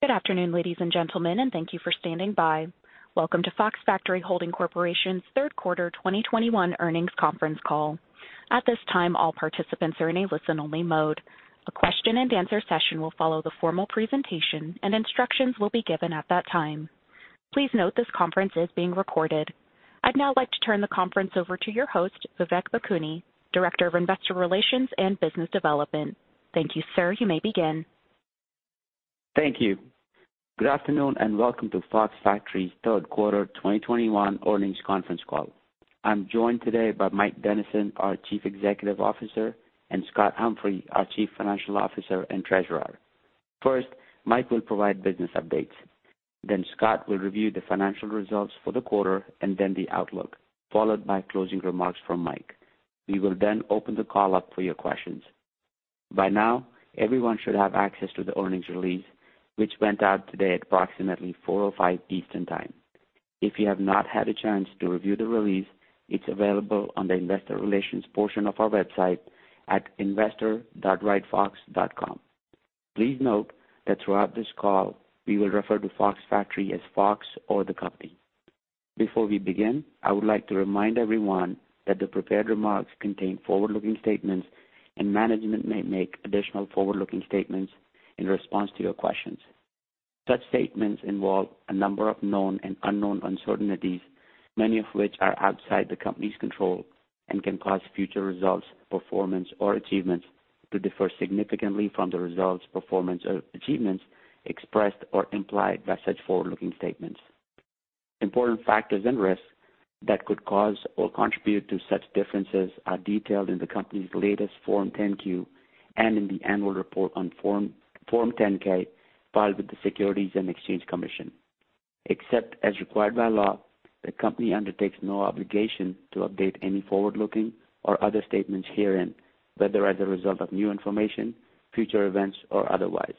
Good afternoon, ladies and gentlemen, and thank you for standing by. Welcome to Fox Factory Holding Corporation's third quarter 2021 earnings conference call. At this time, all participants are in a listen-only mode. A question-and-answer session will follow the formal presentation, and instructions will be given at that time. Please note this conference is being recorded. I'd now like to turn the conference over to your host, Vivek Bhakuni, Director of Investor Relations and Business Development. Thank you, sir. You may begin. Thank you. Good afternoon, and welcome to Fox Factory's third quarter 2021 earnings conference call. I'm joined today by Mike Dennison, our Chief Executive Officer, and Scott Humphrey, our Chief Financial Officer and Treasurer. First, Mike will provide business updates. Then Scott will review the financial results for the quarter and then the outlook, followed by closing remarks from Mike. We will then open the call up for your questions. By now, everyone should have access to the earnings release, which went out today at approximately 4:05 P.M. Eastern Time. If you have not had a chance to review the release, it's available on the investor relations portion of our website at investor.ridefox.com. Please note that throughout this call, we will refer to Fox Factory as Fox or the company. Before we begin, I would like to remind everyone that the prepared remarks contain forward-looking statements, and management may make additional forward-looking statements in response to your questions. Such statements involve a number of known and unknown uncertainties, many of which are outside the company's control and can cause future results, performance, or achievements to differ significantly from the results, performance, or achievements expressed or implied by such forward-looking statements. Important factors and risks that could cause or contribute to such differences are detailed in the company's latest Form 10-Q and in the annual report on Form 10-K filed with the Securities and Exchange Commission. Except as required by law, the company undertakes no obligation to update any forward-looking or other statements herein, whether as a result of new information, future events, or otherwise.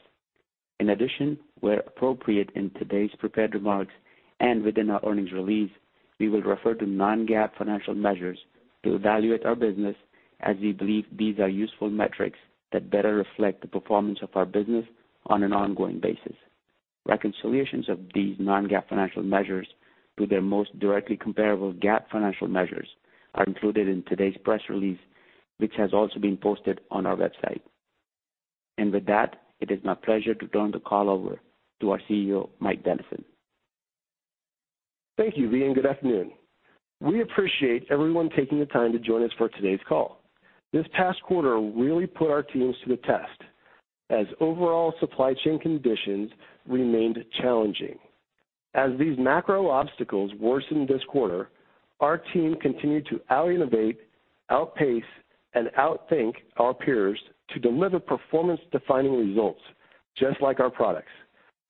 In addition, where appropriate in today's prepared remarks and within our earnings release, we will refer to non-GAAP financial measures to evaluate our business as we believe these are useful metrics that better reflect the performance of our business on an ongoing basis. Reconciliations of these non-GAAP financial measures to their most directly comparable GAAP financial measures are included in today's press release, which has also been posted on our website. With that, it is my pleasure to turn the call over to our CEO, Mike Dennison. Thank you, Vi, and good afternoon. We appreciate everyone taking the time to join us for today's call. This past quarter really put our teams to the test as overall supply chain conditions remained challenging. As these macro obstacles worsened this quarter, our team continued to out-innovate, outpace, and outthink our peers to deliver performance-defining results, just like our products.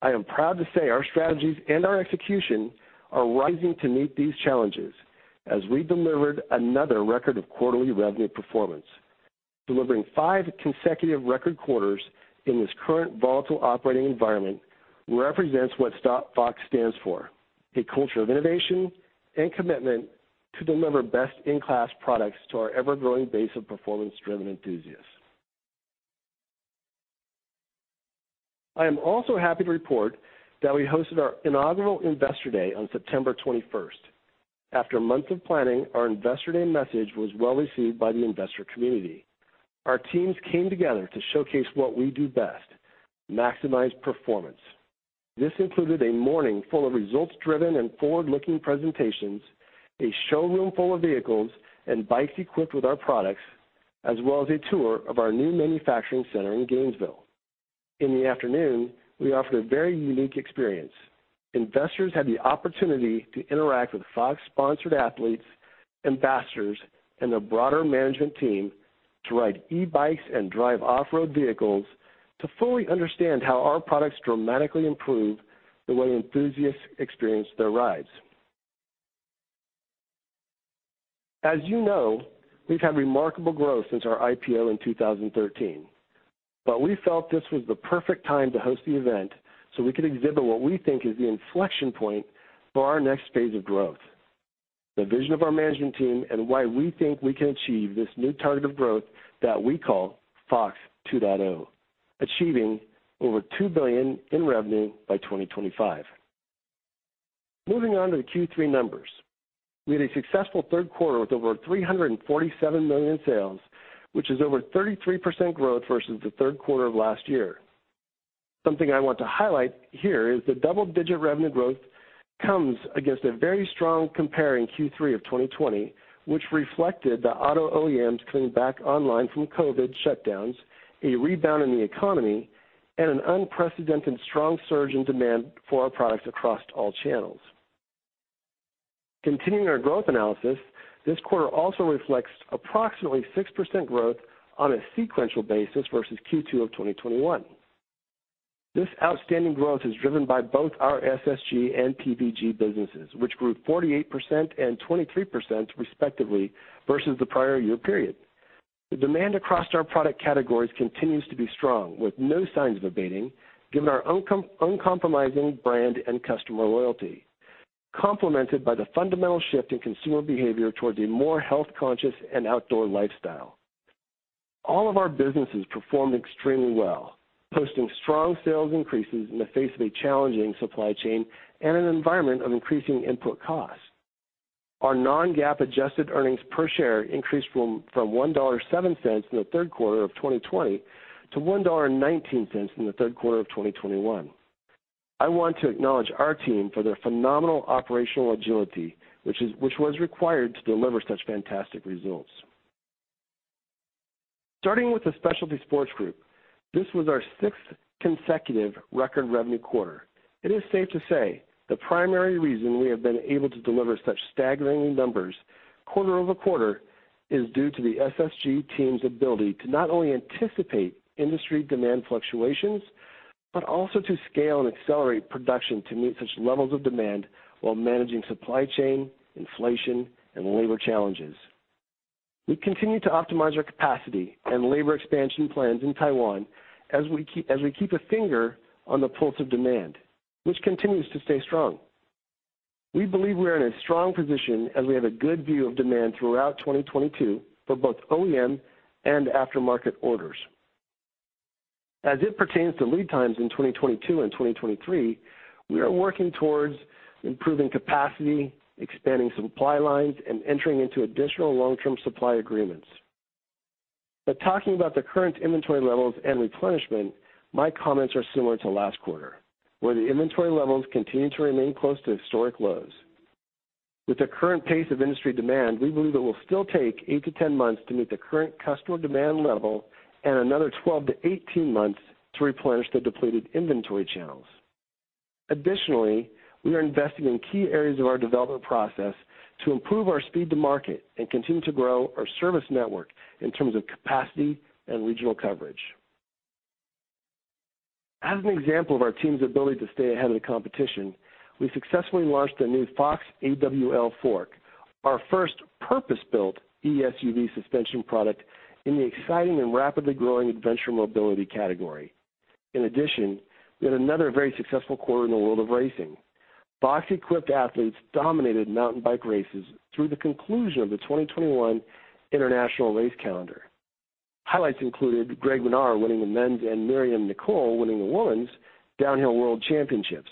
I am proud to say our strategies and our execution are rising to meet these challenges as we delivered another record of quarterly revenue performance. Delivering five consecutive record quarters in this current volatile operating environment represents what Fox stands for, a culture of innovation and commitment to deliver best-in-class products to our ever-growing base of performance-driven enthusiasts. I am also happy to report that we hosted our inaugural Investor Day on September 21. After a month of planning, our Investor Day message was well received by the investor community. Our teams came together to showcase what we do best, maximize performance. This included a morning full of results-driven and forward-looking presentations, a showroom full of vehicles and bikes equipped with our products, as well as a tour of our new manufacturing center in Gainesville. In the afternoon, we offered a very unique experience. Investors had the opportunity to interact with Fox-sponsored athletes, ambassadors, and the broader management team to ride e-bikes and drive off-road vehicles to fully understand how our products dramatically improve the way enthusiasts experience their rides. As you know, we've had remarkable growth since our IPO in 2013, but we felt this was the perfect time to host the event so we could exhibit what we think is the inflection point for our next phase of growth, the vision of our management team, and why we think we can achieve this new target of growth that we call FOX 2.0, achieving over $2 billion in revenue by 2025. Moving on to the Q3 numbers. We had a successful third quarter with over $347 million sales, which is over 33% growth versus the third quarter of last year. Something I want to highlight here is the double-digit revenue growth comes against a very strong comparable Q3 of 2020, which reflected the auto OEMs coming back online from COVID shutdowns, a rebound in the economy, and an unprecedented strong surge in demand for our products across all channels. Continuing our growth analysis, this quarter also reflects approximately 6% growth on a sequential basis versus Q2 of 2021. This outstanding growth is driven by both our SSG and PVG businesses, which grew 48% and 23% respectively versus the prior year period. The demand across our product categories continues to be strong with no signs of abating given our uncompromising brand and customer loyalty, complemented by the fundamental shift in consumer behavior towards a more health-conscious and outdoor lifestyle. All of our businesses performed extremely well, posting strong sales increases in the face of a challenging supply chain and an environment of increasing input costs. Our non-GAAP adjusted earnings per share increased from $1.07 in the third quarter of 2020 to $1.19 in the third quarter of 2021. I want to acknowledge our team for their phenomenal operational agility, which was required to deliver such fantastic results. Starting with the Specialty Sports Group, this was our sixth consecutive record revenue quarter. It is safe to say the primary reason we have been able to deliver such staggering numbers quarter-over-quarter is due to the SSG team's ability to not only anticipate industry demand fluctuations but also to scale and accelerate production to meet such levels of demand while managing supply chain, inflation, and labor challenges. We continue to optimize our capacity and labor expansion plans in Taiwan as we keep a finger on the pulse of demand, which continues to stay strong. We believe we are in a strong position as we have a good view of demand throughout 2022 for both OEM and aftermarket orders. As it pertains to lead times in 2022 and 2023, we are working towards improving capacity, expanding supply lines, and entering into additional long-term supply agreements. Talking about the current inventory levels and replenishment, my comments are similar to last quarter, where the inventory levels continue to remain close to historic lows. With the current pace of industry demand, we believe it will still take 8-10 months to meet the current customer demand level and another 12-18 months to replenish the depleted inventory channels. Additionally, we are investing in key areas of our development process to improve our speed to market and continue to grow our service network in terms of capacity and regional coverage. As an example of our team's ability to stay ahead of the competition, we successfully launched the new Fox AWL fork, our first purpose-built eSUV suspension product in the exciting and rapidly growing adventure mobility category. In addition, we had another very successful quarter in the world of racing. Fox-equipped athletes dominated mountain bike races through the conclusion of the 2021 international race calendar. Highlights included Greg Minnaar winning the men's and Myriam Nicole winning the women's Downhill World Championships.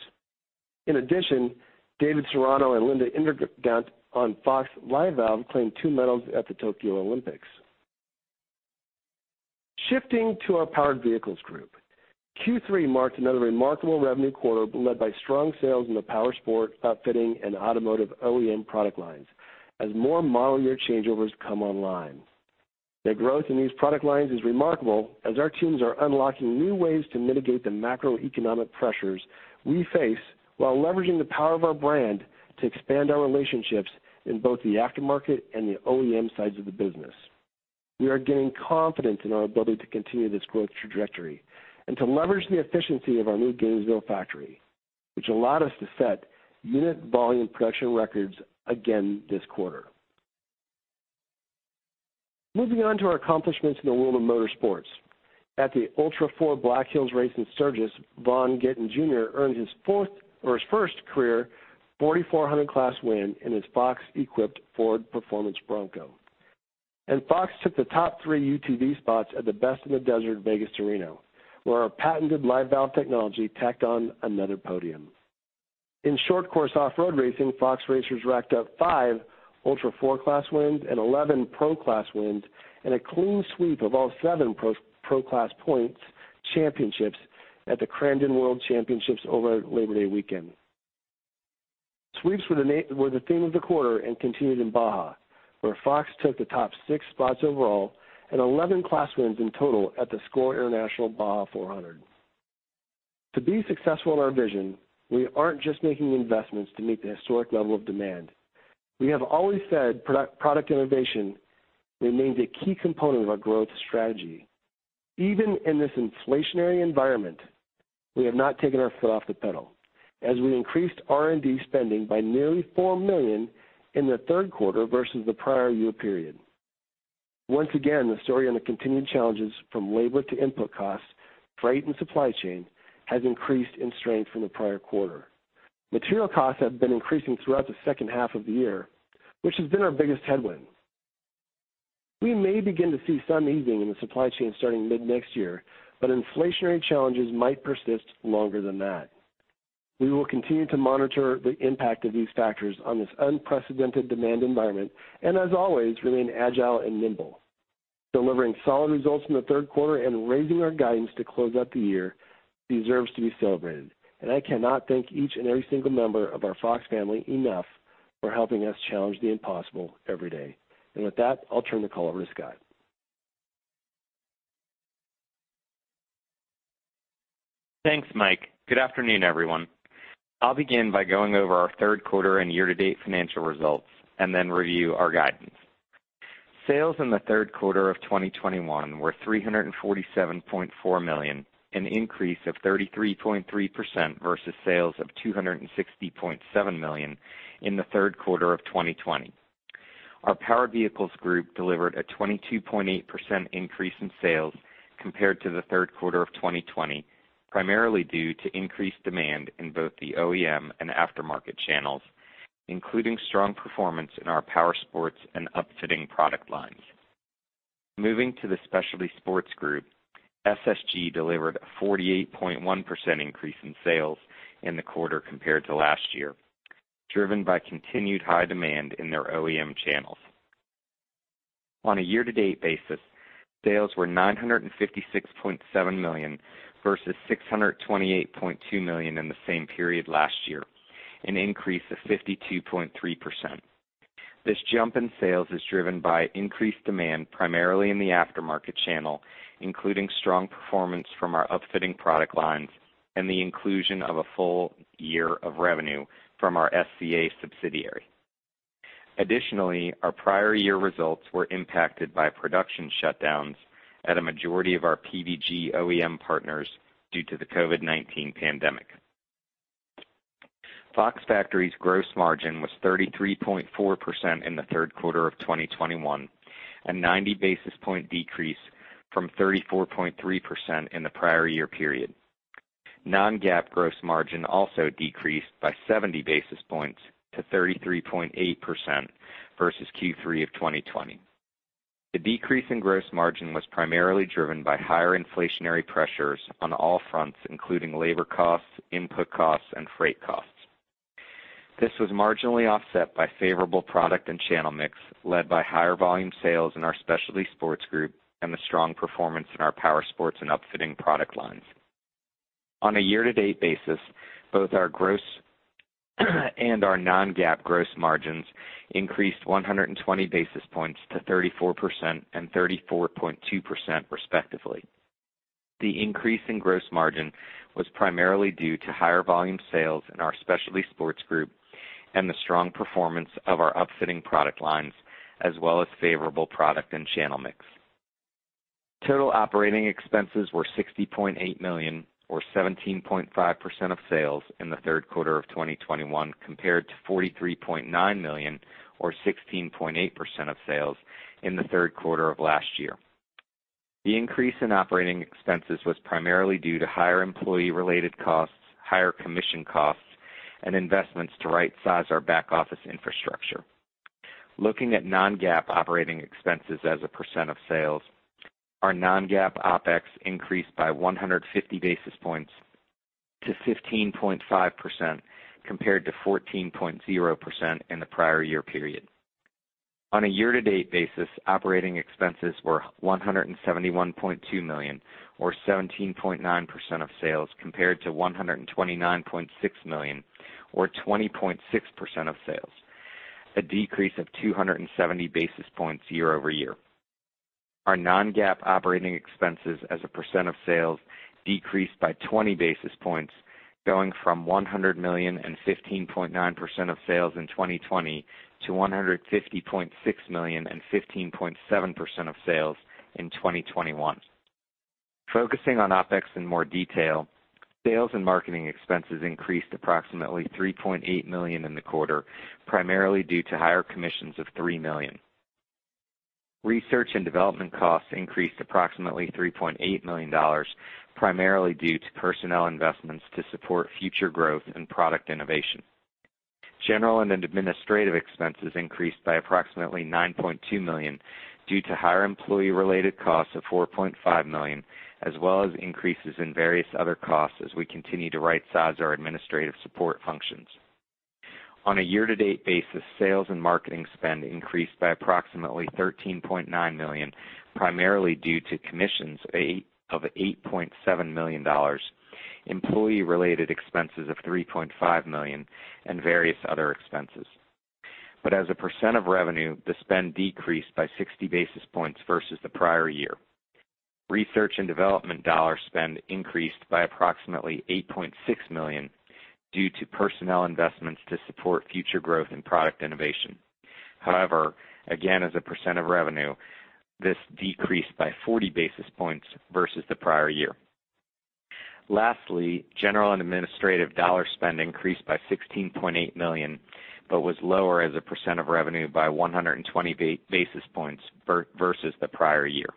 In addition, David Serrano and Linda Indergand on Fox Live Valve claimed two medals at the Tokyo Olympics. Shifting to our Powered Vehicles Group, Q3 marked another remarkable revenue quarter led by strong sales in the powersports, outfitting, and automotive OEM product lines as more model year changeovers come online. The growth in these product lines is remarkable as our teams are unlocking new ways to mitigate the macroeconomic pressures we face while leveraging the power of our brand to expand our relationships in both the aftermarket and the OEM sides of the business. We are gaining confidence in our ability to continue this growth trajectory and to leverage the efficiency of our new Gainesville factory, which allowed us to set unit volume production records again this quarter. Moving on to our accomplishments in the world of motorsports. At the Ultra4 Black Hills race in Sturgis, Vaughn Gittin Jr. earned his fourth or his first career 4,400 class win in his Fox-equipped Ford Performance Bronco. Fox took the top 3 UTV spots at the Best in the Desert Vegas to Reno, where our patented Live Valve technology tacked on another podium. In short course off-road racing, Fox racers racked up 5 Ultra4 class wins and 11 pro class wins and a clean sweep of all seven pro class points championships at the Crandon World Championships over Labor Day weekend. Sweeps were the theme of the quarter and continued in Baja, where Fox took the top 6 spots overall and 11 class wins in total at the SCORE International Baja 400. To be successful in our vision, we aren't just making investments to meet the historic level of demand. We have always said product innovation remains a key component of our growth strategy. Even in this inflationary environment, we have not taken our foot off the pedal, as we increased R&D spending by nearly $4 million in the third quarter versus the prior year period. Once again, the story on the continued challenges from labor to input costs, freight, and supply chain has increased in strength from the prior quarter. Material costs have been increasing throughout the second half of the year, which has been our biggest headwind. We may begin to see some easing in the supply chain starting mid-next year, but inflationary challenges might persist longer than that. We will continue to monitor the impact of these factors on this unprecedented demand environment and, as always, remain agile and nimble. Delivering solid results in the third quarter and raising our guidance to close out the year deserves to be celebrated, and I cannot thank each and every single member of our Fox family enough for helping us challenge the impossible every day. With that, I'll turn the call over to Scott. Thanks, Mike. Good afternoon, everyone. I'll begin by going over our third quarter and year-to-date financial results and then review our guidance. Sales in the third quarter of 2021 were $347.4 million, an increase of 33.3% versus sales of $260.7 million in the third quarter of 2020. Our Powered Vehicles Group delivered a 22.8% increase in sales compared to the third quarter of 2020, primarily due to increased demand in both the OEM and aftermarket channels, including strong performance in our powersports and upfitting product lines. Moving to the Specialty Sports Group, SSG delivered a 48.1% increase in sales in the quarter compared to last year, driven by continued high demand in their OEM channels. On a year-to-date basis, sales were $956.7 million versus $628.2 million in the same period last year, an increase of 52.3%. This jump in sales is driven by increased demand, primarily in the aftermarket channel, including strong performance from our upfitting product lines and the inclusion of a full year of revenue from our SCA subsidiary. Additionally, our prior year results were impacted by production shutdowns at a majority of our PVG OEM partners due to the COVID-19 pandemic. Fox Factory's gross margin was 33.4% in the third quarter of 2021, a 90 basis point decrease from 34.3% in the prior year period. Non-GAAP gross margin also decreased by 70 basis points to 33.8% versus Q3 of 2020. The decrease in gross margin was primarily driven by higher inflationary pressures on all fronts, including labor costs, input costs, and freight costs. This was marginally offset by favorable product and channel mix, led by higher volume sales in our Specialty Sports Group and the strong performance in our powersports and upfitting product lines. On a year-to-date basis, both our gross and our non-GAAP gross margins increased 120 basis points to 34% and 34.2%, respectively. The increase in gross margin was primarily due to higher volume sales in our Specialty Sports Group and the strong performance of our upfitting product lines, as well as favorable product and channel mix. Total operating expenses were $60.8 million or 17.5% of sales in the third quarter of 2021, compared to $43.9 million or 16.8% of sales in the third quarter of last year. The increase in operating expenses was primarily due to higher employee-related costs, higher commission costs, and investments to rightsize our back office infrastructure. Looking at non-GAAP operating expenses as a percent of sales, our non-GAAP OpEx increased by 150 basis points to 15.5% compared to 14.0% in the prior year period. On a year-to-date basis, operating expenses were $171.2 million or 17.9% of sales compared to $129.6 million or 20.6% of sales, a decrease of 270 basis points year-over-year. Our non-GAAP operating expenses as a percent of sales decreased by 20 basis points, going from $100 million or 15.9% of sales in 2020 to $150.6 million or 15.7% of sales in 2021. Focusing on OpEx in more detail, sales and marketing expenses increased approximately $3.8 million in the quarter, primarily due to higher commissions of $3 million. Research and development costs increased approximately $3.8 million, primarily due to personnel investments to support future growth and product innovation. General and administrative expenses increased by approximately $9.2 million due to higher employee-related costs of $4.5 million as well as increases in various other costs as we continue to rightsize our administrative support functions. On a year-to-date basis, sales and marketing spend increased by approximately $13.9 million, primarily due to commissions of $8.7 million, employee-related expenses of $3.5 million and various other expenses. As a percent of revenue, the spend decreased by 60 basis points versus the prior year. Research and development dollar spend increased by approximately $8.6 million due to personnel investments to support future growth and product innovation. As a percent of revenue, this decreased by 40 basis points versus the prior year. Lastly, general and administrative dollar spend increased by $16.8 million, but was lower as a percent of revenue by 120 basis points versus the prior year.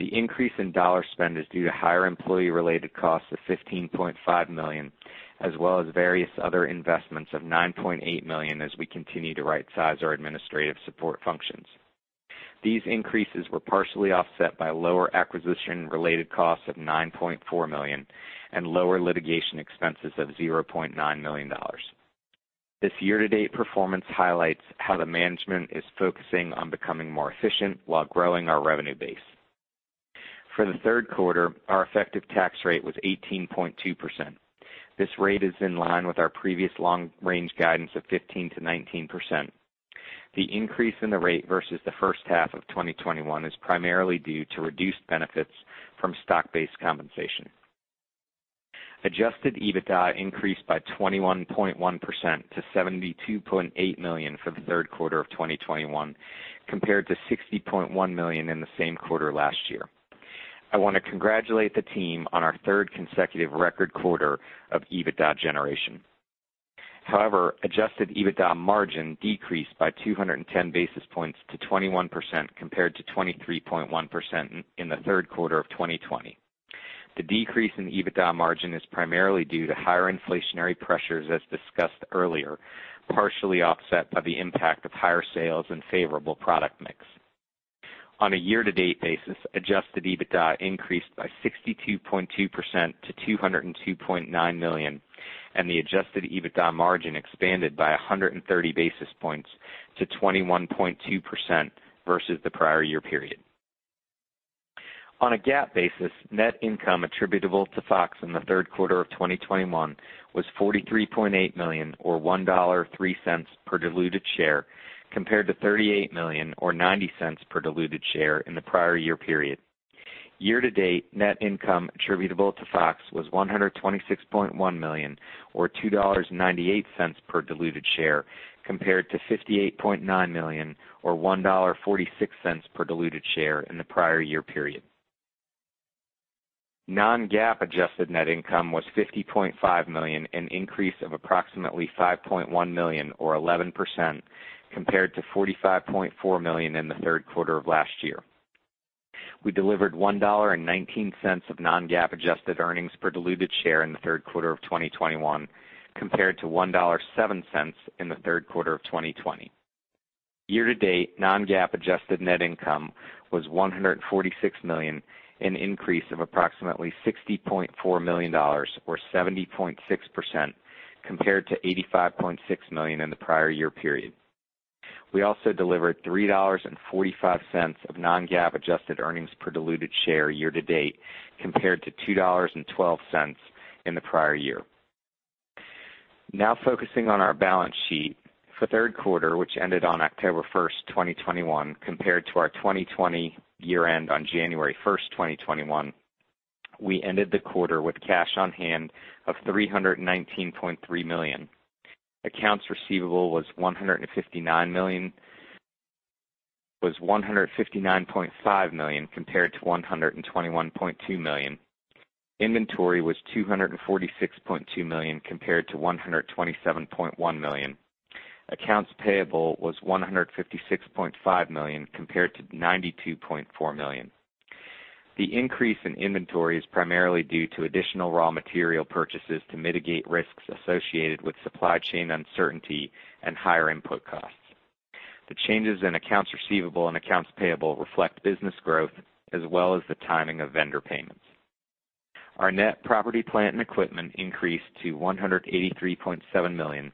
The increase in dollar spend is due to higher employee-related costs of $15.5 million, as well as various other investments of $9.8 million as we continue to rightsize our administrative support functions. These increases were partially offset by lower acquisition-related costs of $9.4 million and lower litigation expenses of $0.9 million. This year-to-date performance highlights how the management is focusing on becoming more efficient while growing our revenue base. For the third quarter, our effective tax rate was 18.2%. This rate is in line with our previous long range guidance of 15%-19%. The increase in the rate versus the first half of 2021 is primarily due to reduced benefits from stock-based compensation. Adjusted EBITDA increased by 21.1% to $72.8 million for the third quarter of 2021 compared to $60.1 million in the same quarter last year. I want to congratulate the team on our third consecutive record quarter of EBITDA generation. However, adjusted EBITDA margin decreased by 210 basis points to 21% compared to 23.1% in the third quarter of 2020. The decrease in EBITDA margin is primarily due to higher inflationary pressures, as discussed earlier, partially offset by the impact of higher sales and favorable product mix. On a year-to-date basis, adjusted EBITDA increased by 62.2% to $202.9 million, and the adjusted EBITDA margin expanded by 130 basis points to 21.2% versus the prior year period. On a GAAP basis, net income attributable to Fox in the third quarter of 2021 was $43.8 million or $1.03 per diluted share, compared to $38 million or $0.90 per diluted share in the prior year period. Year to date, net income attributable to Fox was $126.1 million or $2.98 per diluted share, compared to $58.9 million or $1.46 per diluted share in the prior year period. Non-GAAP adjusted net income was $50.5 million, an increase of approximately $5.1 million or 11% compared to $45.4 million in the third quarter of last year. We delivered $1.19 of non-GAAP adjusted earnings per diluted share in the third quarter of 2021 compared to $1.07 in the third quarter of 2020. Year to date, non-GAAP adjusted net income was $146 million, an increase of approximately $60.4 million or 70.6% compared to $85.6 million in the prior year period. We also delivered $3.45 of non-GAAP adjusted earnings per diluted share year to date compared to $2.12 in the prior year. Now focusing on our balance sheet. For the third quarter, which ended on October 1, 2021 compared to our 2020 year end on January 1, 2021, we ended the quarter with cash on hand of $319.3 million. Accounts receivable was $159.5 million compared to $121.2 million. Inventory was $246.2 million compared to $127.1 million. Accounts payable was $156.5 million compared to $92.4 million. The increase in inventory is primarily due to additional raw material purchases to mitigate risks associated with supply chain uncertainty and higher input costs. The changes in accounts receivable and accounts payable reflect business growth as well as the timing of vendor payments. Our net property, plant, and equipment increased to $183.7 million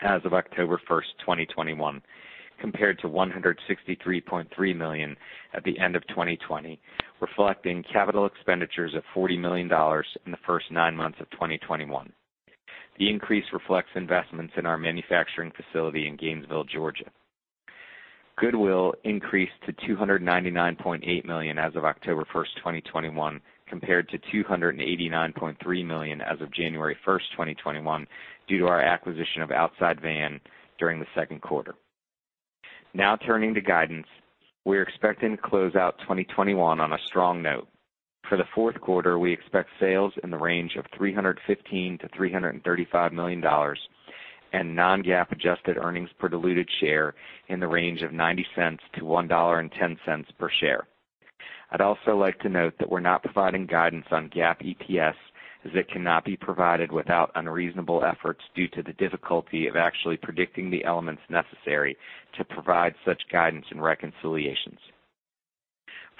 as of October 1, 2021, compared to $163.3 million at the end of 2020, reflecting capital expenditures of $40 million in the first nine months of 2021. The increase reflects investments in our manufacturing facility in Gainesville, Georgia. Goodwill increased to $299.8 million as of October 1, 2021, compared to $289.3 million as of January 1, 2021, due to our acquisition of Outside Van during the second quarter. Now turning to guidance. We're expecting to close out 2021 on a strong note. For the fourth quarter, we expect sales in the range of $315 million-$335 million and non-GAAP adjusted earnings per diluted share in the range of $0.90-$1.10 per share. I'd also like to note that we're not providing guidance on GAAP EPS as it cannot be provided without unreasonable efforts due to the difficulty of actually predicting the elements necessary to provide such guidance and reconciliations.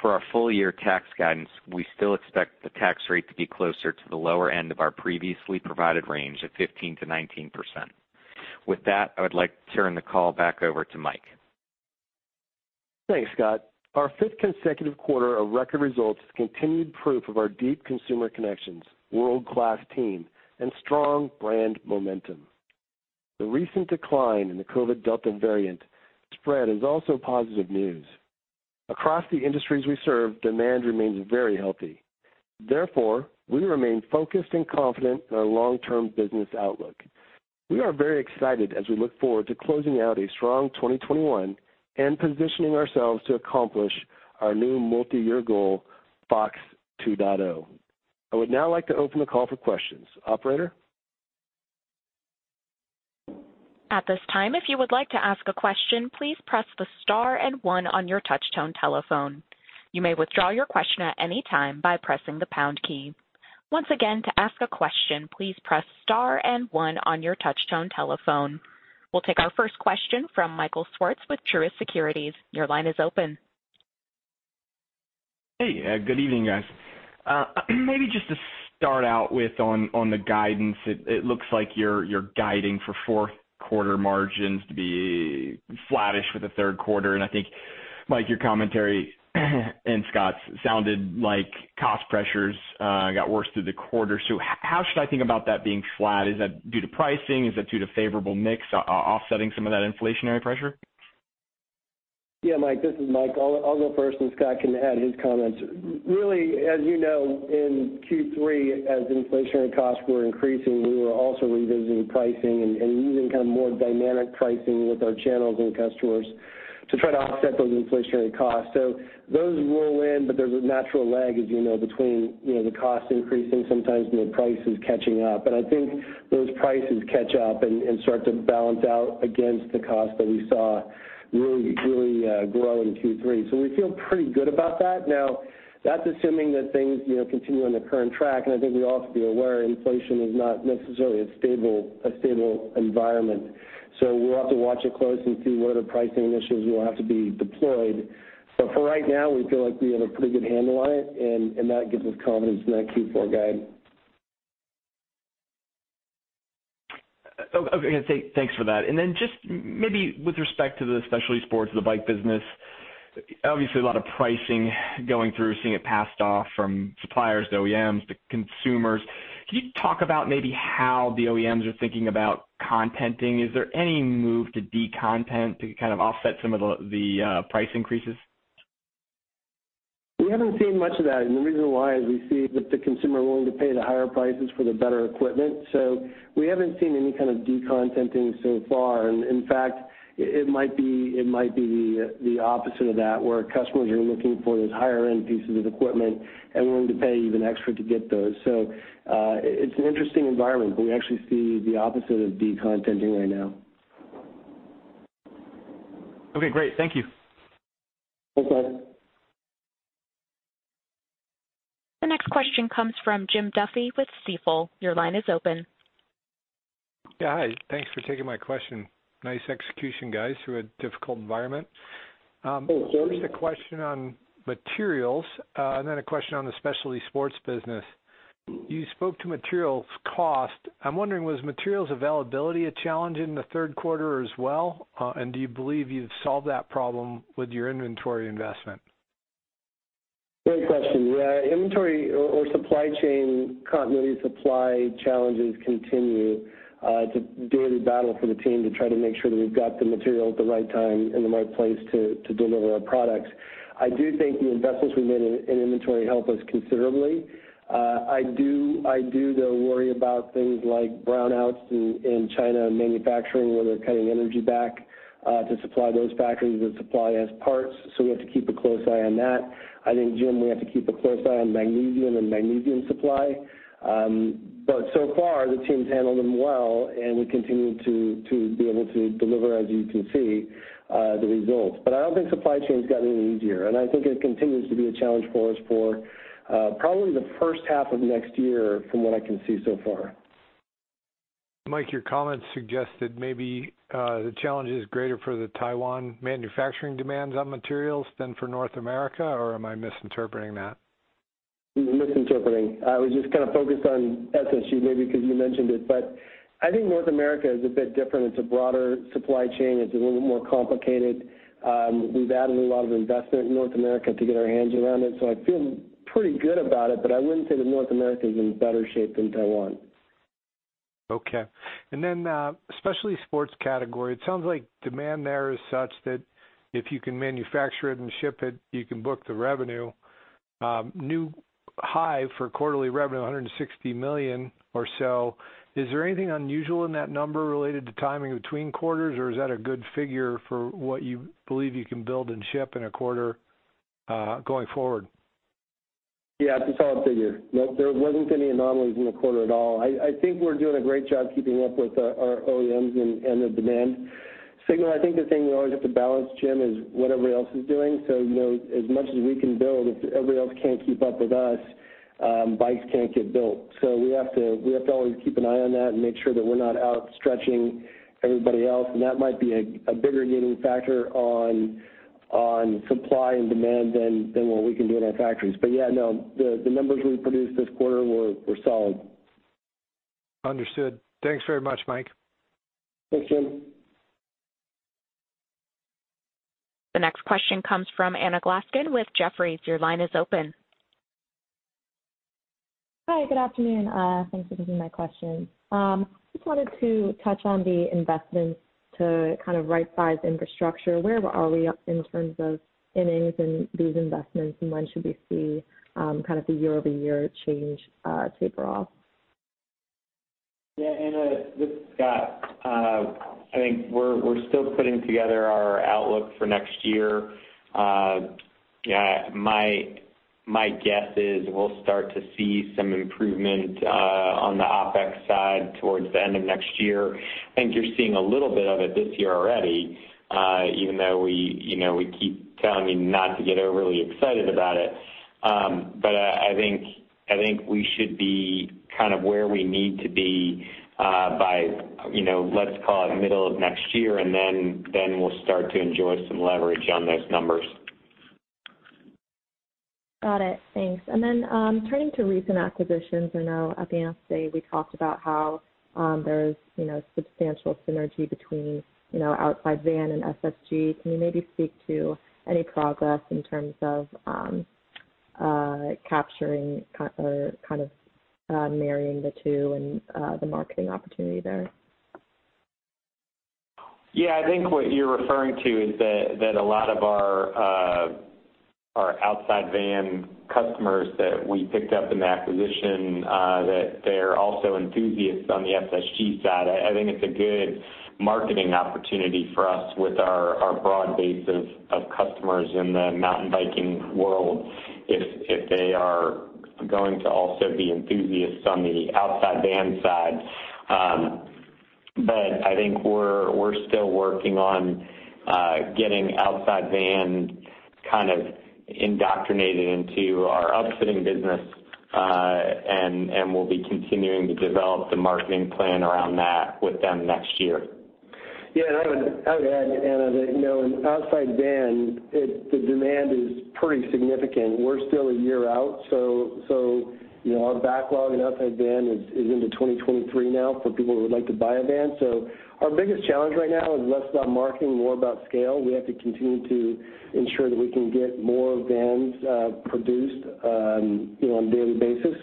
For our full year tax guidance, we still expect the tax rate to be closer to the lower end of our previously provided range of 15%-19%. With that, I would like to turn the call back over to Mike. Thanks, Scott. Our fifth consecutive quarter of record results is continued proof of our deep consumer connections, world-class team, and strong brand momentum. The recent decline in the COVID Delta variant spread is also positive news. Across the industries we serve, demand remains very healthy. Therefore, we remain focused and confident in our long-term business outlook. We are very excited as we look forward to closing out a strong 2021 and positioning ourselves to accomplish our new multi-year goal, FOX 2.0. I would now like to open the call for questions. Operator? At this time, if you would like to ask a question, please press the star and one on your touchtone telephone. You may withdraw your question at any time by pressing the pound key. Once again, to ask a question, please press star and one on your touchtone telephone. We'll take our first question from Michael Swartz with Truist Securities. Your line is open. Hey, good evening, guys. Maybe just to start out with on the guidance, it looks like you're guiding for fourth quarter margins to be flattish with the third quarter. I think, Mike, your commentary and Scott's sounded like cost pressures got worse through the quarter. How should I think about that being flat? Is that due to pricing? Is that due to favorable mix offsetting some of that inflationary pressure? Yeah, Mike, this is Mike. I'll go first, and Scott can add his comments. Really, as you know, in Q3, as inflationary costs were increasing, we were also revisiting pricing and using kind of more dynamic pricing with our channels and customers. To try to offset those inflationary costs. So those roll in, but there's a natural lag, as you know, between the cost increasing sometimes and the prices catching up. But I think those prices catch up and start to balance out against the cost that we saw really grow in Q3. So we feel pretty good about that. Now, that's assuming that things, you know, continue on the current track, and I think we all have to be aware inflation is not necessarily a stable environment. We'll have to watch it closely and see what other pricing initiatives will have to be deployed. For right now, we feel like we have a pretty good handle on it, and that gives us confidence in that Q4 guide. Okay. Thanks for that. Then just maybe with respect to the Specialty Sports Group, the bike business, obviously a lot of pricing going through, seeing it passed off from suppliers to OEMs to consumers. Can you talk about maybe how the OEMs are thinking about contenting? Is there any move to de-content to kind of offset some of the price increases? We haven't seen much of that, and the reason why is we see that the consumer are willing to pay the higher prices for the better equipment. We haven't seen any kind of de-contenting so far. In fact, it might be the opposite of that, where customers are looking for those higher end pieces of equipment and willing to pay even extra to get those. It's an interesting environment, but we actually see the opposite of de-contenting right now. Okay, great. Thank you. Thanks, Mike. The next question comes from Jim Duffy with Stifel. Your line is open. Yeah. Hi. Thanks for taking my question. Nice execution, guys, through a difficult environment. Thanks, Jim. First, a question on materials, and then a question on the specialty sports business. You spoke to materials cost. I'm wondering, was materials availability a challenge in the third quarter as well, and do you believe you've solved that problem with your inventory investment? Great question. Inventory or supply chain continuity supply challenges continue. It's a daily battle for the team to try to make sure that we've got the material at the right time in the right place to deliver our products. I do think the investments we made in inventory help us considerably. I do though worry about things like brownouts in China and manufacturing, where they're cutting energy back to supply those factories that supply us parts. We have to keep a close eye on that. I think, Jim, we have to keep a close eye on magnesium supply. So far, the team's handled them well, and we continue to be able to deliver, as you can see, the results. I don't think supply chain's gotten any easier, and I think it continues to be a challenge for us for, probably the first half of next year from what I can see so far. Mike, your comments suggest that maybe, the challenge is greater for the Taiwan manufacturing demands on materials than for North America, or am I misinterpreting that? You're misinterpreting. I was just kind of focused on SSG maybe because you mentioned it, but I think North America is a bit different. It's a broader supply chain. It's a little more complicated. We've added a lot of investment in North America to get our hands around it, so I feel pretty good about it, but I wouldn't say that North America is in better shape than Taiwan. Okay. Specialty sports category, it sounds like demand there is such that if you can manufacture it and ship it, you can book the revenue. New high for quarterly revenue, $160 million or so. Is there anything unusual in that number related to timing between quarters, or is that a good figure for what you believe you can build and ship in a quarter, going forward? Yeah, it's a solid figure. No, there wasn't any anomalies in the quarter at all. I think we're doing a great job keeping up with our OEMs and the demand signal. I think the thing we always have to balance, Jim, is what everybody else is doing. You know, as much as we can build, if everybody else can't keep up with us, bikes can't get built. We have to always keep an eye on that and make sure that we're not overstretching everybody else, and that might be a bigger limiting factor on supply and demand than what we can do in our factories. Yeah, no, the numbers we produced this quarter were solid. Understood. Thanks very much, Mike. Thanks, Jim. The next question comes from Anna Glaessgen with Jefferies. Your line is open. Hi, good afternoon. Thanks for taking my question. Just wanted to touch on the investments to kind of right size infrastructure. Where are we in terms of innings in these investments, and when should we see kind of the year-over-year change taper off? Yeah, Anna, this is Scott. I think we're still putting together our outlook for next year. Yeah, my guess is we'll start to see some improvement on the OpEx side towards the end of next year. I think you're seeing a little bit of it this year already, even though we, you know, we keep telling you not to get overly excited about it. I think we should be kind of where we need to be by, you know, let's call it middle of next year, and then we'll start to enjoy some leverage on those numbers. Got it. Thanks. Turning to recent acquisitions, I know at the end of the day, we talked about how there's, you know, substantial synergy between, you know, Outside Van and SSG. Can you maybe speak to any progress in terms of capturing or kind of marrying the two and the marketing opportunity there? Yeah. I think what you're referring to is that a lot of our Outside Van customers that we picked up in the acquisition, that they're also enthusiasts on the SSG side. I think it's a good marketing opportunity for us with our broad base of customers in the mountain biking world if they are going to also be enthusiasts on the Outside Van side. I think we're still working on getting Outside Van kind of indoctrinated into our upfitting business. We'll be continuing to develop the marketing plan around that with them next year. Yeah. I would add, Anna, that you know, in Outside Van, it the demand is pretty significant. We're still a year out, so you know, our backlog in Outside Van is into 2023 now for people who would like to buy a van. Our biggest challenge right now is less about marketing, more about scale. We have to continue to ensure that we can get more vans produced you know, on a daily basis.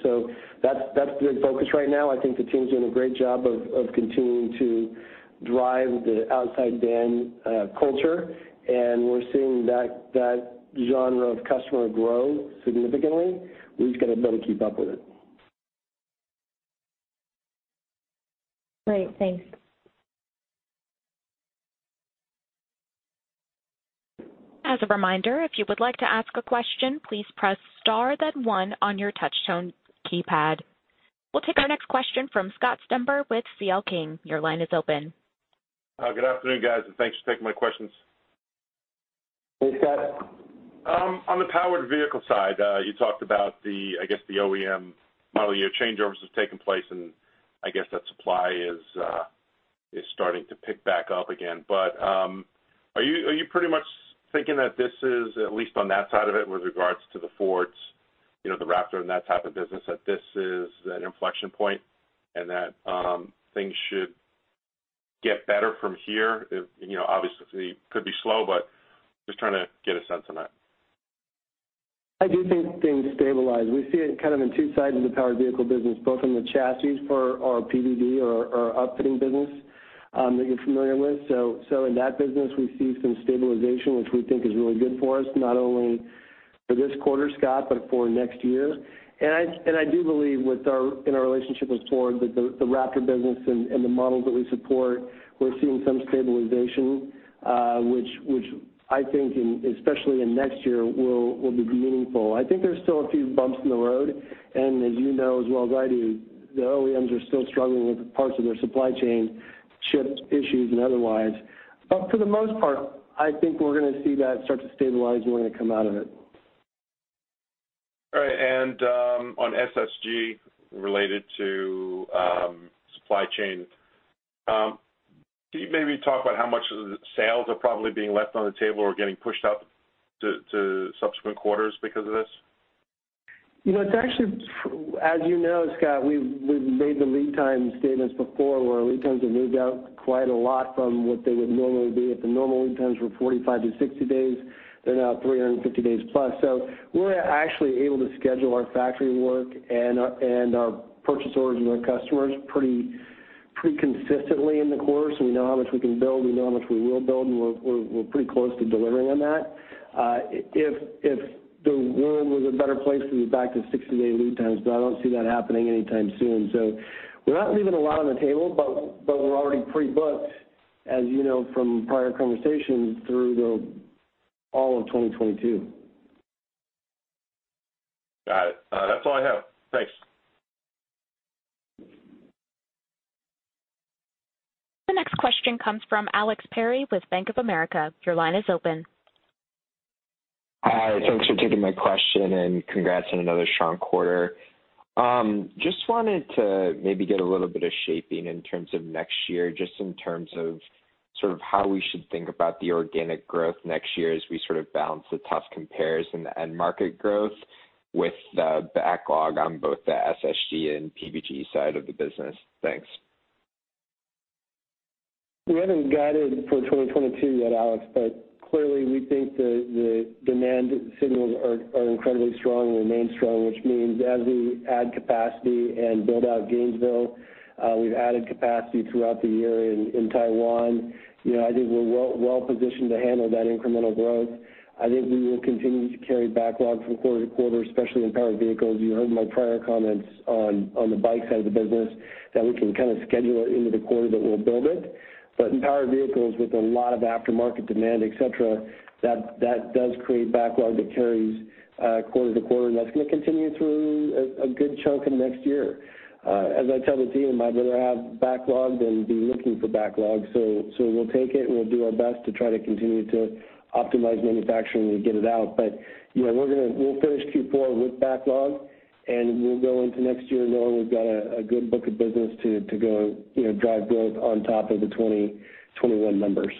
That's the focus right now. I think the team's doing a great job of continuing to drive the Outside Van culture. We're seeing that genre of customer grow significantly. We've just got to be able to keep up with it. Great. Thanks. As a reminder, if you would like to ask a question, please press star then one on your touchtone keypad. We'll take our next question from Scott Stember with C.L. King. Your line is open. Good afternoon, guys, and thanks for taking my questions. Hey, Scott. On the powered vehicle side, you talked about the, I guess, the OEM model year changeovers have taken place, and I guess that supply is starting to pick back up again. Are you pretty much thinking that this is, at least on that side of it with regards to the Fords, you know, the Raptor and that type of business, that this is an inflection point and that things should get better from here? You know, obviously it could be slow, but just trying to get a sense on that. I do think things stabilize. We see it kind of in two sides of the powered vehicle business, both in the chassis for our PVG or our upfitting business, that you're familiar with. In that business, we see some stabilization, which we think is really good for us, not only for this quarter, Scott, but for next year. I do believe with our, in our relationship with Ford that the Raptor business and the models that we support, we're seeing some stabilization, which I think in, especially in next year will be meaningful. I think there's still a few bumps in the road. As you know as well as I do, the OEMs are still struggling with parts of their supply chain, chips issues and otherwise. For the most part, I think we're gonna see that start to stabilize and we're gonna come out of it. All right. On SSG related to supply chain. Can you maybe talk about how much of the sales are probably being left on the table or getting pushed out to subsequent quarters because of this? You know, it's actually, as you know, Scott, we've made the lead time statements before where our lead times have moved out quite a lot from what they would normally be. If the normal lead times were 45-60 days, they're now 350 days plus. We're actually able to schedule our factory work and our purchase orders with our customers pretty consistently in the course. We know how much we can build, we know how much we will build, and we're pretty close to delivering on that. If the world was a better place, we'd be back to 60-day lead times, but I don't see that happening anytime soon. We're not leaving a lot on the table, but we're already pre-booked, as you know, from prior conversations through all of 2022. Got it. That's all I have. Thanks. The next question comes from Alex Perry with Bank of America. Your line is open. Hi. Thanks for taking my question, and congrats on another strong quarter. Just wanted to maybe get a little bit of shaping in terms of next year, just in terms of sort of how we should think about the organic growth next year as we sort of balance the tough comparison and market growth with the backlog on both the SSG and PVG side of the business. Thanks. We haven't guided for 2022 yet, Alex, but clearly, we think the demand signals are incredibly strong and remain strong, which means as we add capacity and build out Gainesville, we've added capacity throughout the year in Taiwan. You know, I think we're well positioned to handle that incremental growth. I think we will continue to carry backlog from quarter to quarter, especially in powered vehicles. You heard my prior comments on the bike side of the business that we can kind of schedule it into the quarter that we'll build it. In powered vehicles with a lot of aftermarket demand, et cetera, that does create backlog that carries quarter to quarter, and that's gonna continue through a good chunk of next year. As I tell the team, I'd rather have backlog than be looking for backlog. We'll take it and we'll do our best to try to continue to optimize manufacturing to get it out. You know, we'll finish Q4 with backlog, and we'll go into next year knowing we've got a good book of business to go, you know, drive growth on top of the 2021 numbers.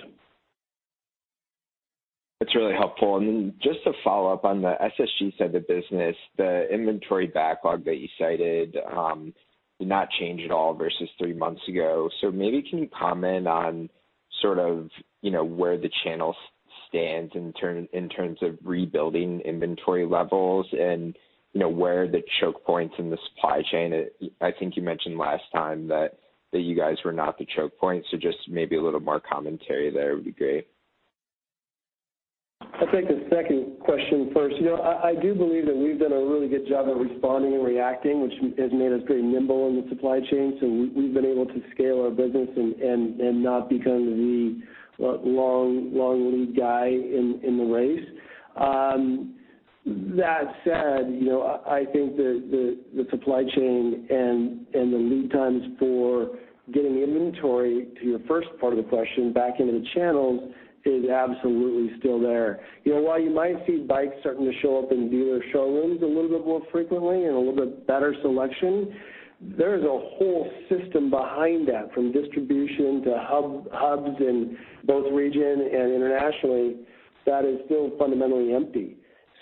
That's really helpful. Then just to follow up on the SSG side of the business, the inventory backlog that you cited did not change at all versus three months ago. Maybe can you comment on sort of, you know, where the channel stands in terms of rebuilding inventory levels and, you know, where are the choke points in the supply chain? I think you mentioned last time that you guys were not the choke point. Just maybe a little more commentary there would be great. I'll take the second question first. You know, I do believe that we've done a really good job of responding and reacting, which has made us very nimble in the supply chain. We've been able to scale our business and not become the long lead guy in the race. That said, you know, I think that the supply chain and the lead times for getting inventory, to your first part of the question, back into the channels is absolutely still there. You know, while you might see bikes starting to show up in dealer showrooms a little bit more frequently and a little bit better selection, there is a whole system behind that from distribution to hubs in both region and internationally that is still fundamentally empty.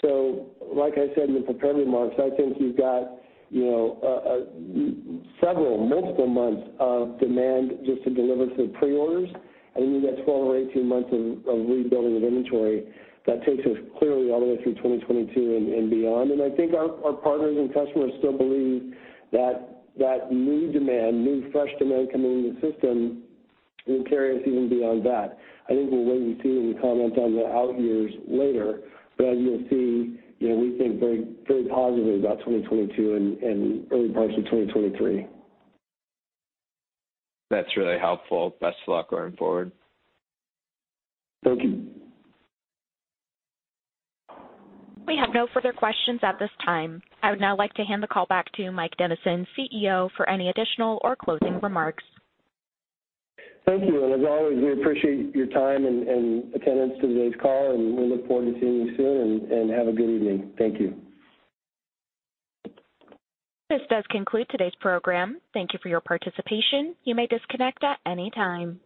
Like I said in the prepared remarks, I think you've got, you know, several multiple months of demand just to deliver to the pre-orders. Then you got 12 or 18 months of rebuilding of inventory that takes us clearly all the way through 2022 and beyond. I think our partners and customers still believe that new demand, new fresh demand coming into the system will carry us even beyond that. I think we'll wait and see when we comment on the out years later, but you'll see, you know, we think very, very positively about 2022 and early parts of 2023. That's really helpful. Best of luck going forward. Thank you. We have no further questions at this time. I would now like to hand the call back to Mike Dennison, CEO, for any additional or closing remarks. Thank you. As always, we appreciate your time and attendance to today's call, and we look forward to seeing you soon and have a good evening. Thank you. This does conclude today's program. Thank you for your participation. You may disconnect at any time.